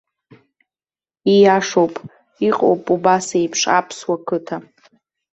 Ииашоуп, иҟоуп убас еиԥш аԥсуа қыҭа.